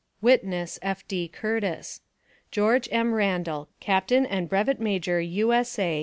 Witness : F. D. Curtisx GEO. M. RANDALL, Capt and Bryt. Maj. U. S. A.